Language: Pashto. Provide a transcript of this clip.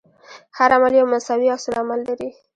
هر عمل یو مساوي عکس العمل لري.